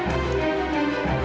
di mana dia